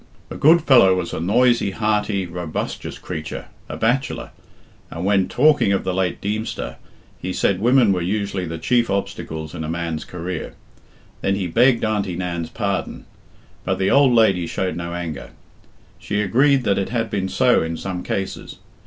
The good fellow was a noisy, hearty, robustious creature, a bachelor, and when talking of the late Deemster, he said women were usually the chief obstacles in a man's career. Then he begged Auntie Nan's pardon, but the old lady showed no anger. She agreed that it had been so in some cases.